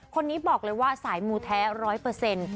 คนนี้บอกเลยว่าสายมูแท้ร้อยเปอร์เซ็นต์